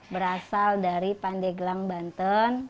berasal dari pandeglang banten